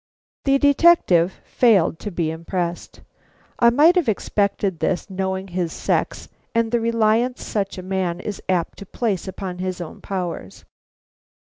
The detective failed to be impressed. I might have expected this, knowing his sex and the reliance such a man is apt to place upon his own powers.